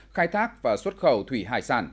khai thác và xuất khẩu thủy hải sản